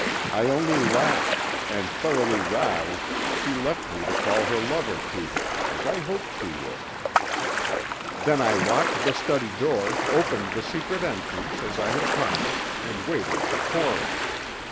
I only laughed and thoroughly roused she left me to call her lover to her, as I hoped she would. "Then I locked the study door, opened the secret entrance as I had promised, and waited for Cora.